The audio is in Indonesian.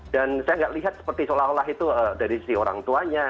dan saya nggak lihat seperti seolah olah itu dari sisi orang tuanya